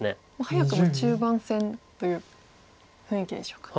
早くも中盤戦という雰囲気でしょうか。